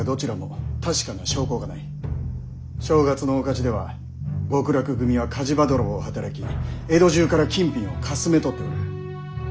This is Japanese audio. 正月の大火事では極楽組は火事場泥棒を働き江戸中から金品をかすめ取っておる。